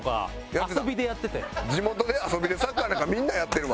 地元で遊びでサッカーなんかみんなやってるわ。